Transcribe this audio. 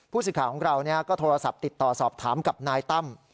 สิทธิ์ของเราก็โทรศัพท์ติดต่อสอบถามกับนายตั้ม